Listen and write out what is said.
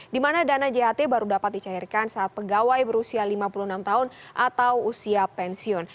di mana dana jht baru dapat dicairkan saat pegawai berusia lima puluh enam tahun atau usia pensiun